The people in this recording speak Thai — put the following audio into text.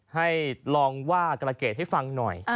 ให้ลองว่ากรเกรดให้ฟังหน่อย